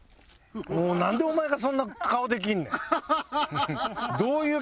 もうなんでお前がそんな顔できんねん！